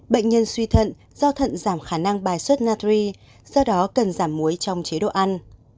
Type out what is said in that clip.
bệnh nhân suy thận do thận giảm khả năng bài xuất natri do đó cần giảm muối trong chế độ ăn